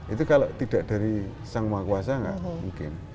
itu kalau tidak dari sang maha kuasa nggak mungkin